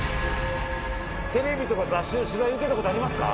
テレビとか雑誌の取材受けた事ありますか？